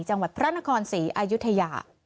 จังหวัดพระนครศรีอายุทยา